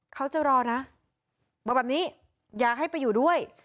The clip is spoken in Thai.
เขาจะรอนะบอกแบบนี้อยากให้ไปอยู่ด้วย